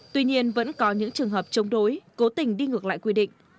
tuy nhiên vẫn có những trường hợp chống đối cố tình đi ngược lại quy định